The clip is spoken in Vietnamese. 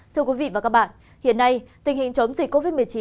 thưa quý vị và các bạn hiện nay tình hình chống dịch covid một mươi chín